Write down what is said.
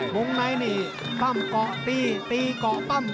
มุมไหมนี่ปั้มเกาะตีตีเกาะปั้ม